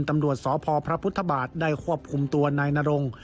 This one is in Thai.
ท่านตำรวจสพพุทธบาทได้ควบคุมตัวนายนรงค์